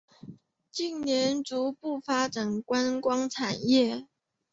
近年逐步发展观光产业。